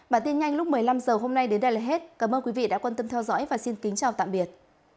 bản tin nhanh lúc một mươi năm h hôm nay đến đây là hết cảm ơn quý vị đã quan tâm theo dõi và xin kính chào tạm biệt